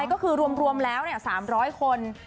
ก็คือรวมแล้ว๓๐๐คน